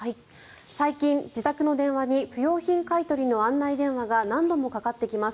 最近、自宅の電話に不用品買い取りの案内電話が何度もかかってきます。